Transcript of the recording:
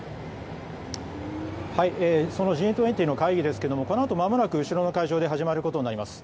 そのＧ２０の会議ですけれどもこのあとまもなく後ろの会場で始まることになります。